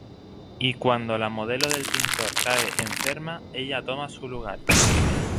Y cuando la modelo del pintor cae enferma, ella toma su lugar.